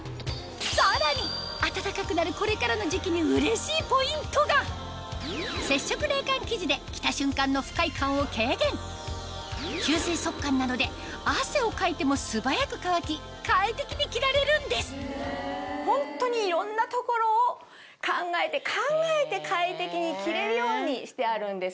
さらに暖かくなるで着た瞬間の不快感を軽減なので汗をかいても素早く乾き快適に着られるんですホントにいろんなところを考えて考えて快適に着れるようにしてあるんですね。